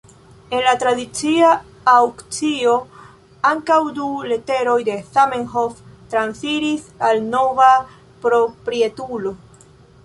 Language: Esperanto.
En la tradicia aŭkcio ankaŭ du leteroj de Zamenhof transiris al nova proprietulo.